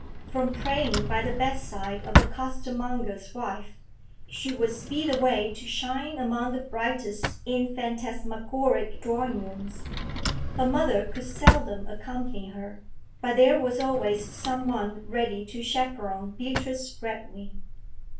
From praying by the bedside of a costermonger's wife, she would speed away to shine among the brightest in phantasmagoric drawing rooms; her mother could seldom accompany her, but there was always some one ready to chaperon Beatrice Redwing.